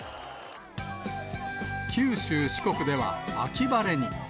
九州、四国では秋晴れに。